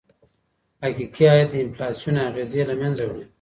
حقیقي عاید د انفلاسیون اغیزې له منځه وړي.